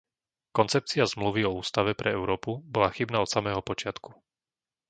Koncepcia Zmluvy o Ústave pre Európu bola chybná od samého počiatku.